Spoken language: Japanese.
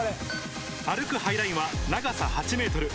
歩くハイラインは長さ８ｍ。